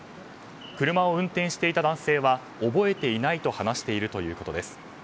車を運転していた男性は覚えていないと話しているということです。